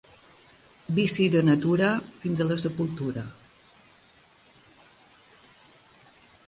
Vici de natura, fins a la sepultura.